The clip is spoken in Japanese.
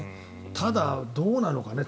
ただ、どうなのかな。